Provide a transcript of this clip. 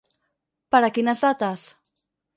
Per a quines dates?